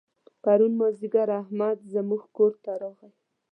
پرون مازدیګر احمد زموږ کور ته راغی.